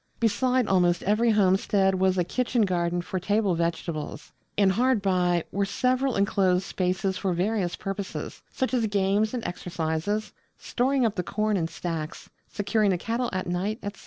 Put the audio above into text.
Beside almost every homestead was a Kitchen Garden for table vegetables. And hard by were several enclosed spaces for various purposes, such as games and exercises, storing up the corn in stacks, securing the cattle at night, etc.